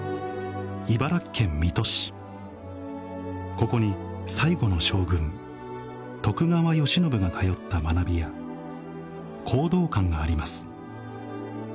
ここに最後の将軍徳川慶喜が通った学びや弘道館があります